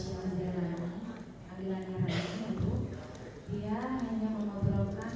saudara pernah menanyakan perkenalan